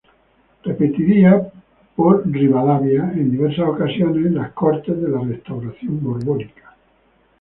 Repetiría por Ribadavia en diversas ocasiones en las Cortes de la Restauración borbónica.